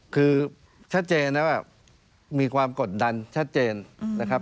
คือชัดเจนนะว่ามีความกดดันชัดเจนนะครับ